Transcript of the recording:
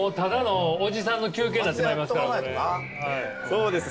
そうです